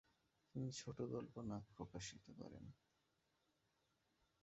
তিনি ছোটগল্প "নাক" প্রকাশিত করেন।